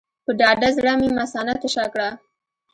په ډاډه زړه مې مثانه تشه کړه.